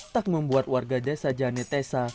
tak membuat warga desa janetesa